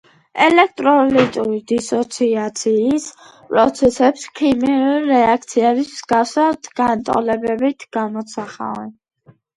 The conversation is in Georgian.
ელექტროლიტური დისოციაციის პროცესებს, ქიმიური რეაქციების მსგავსად, განტოლებებით გამოსახავენ.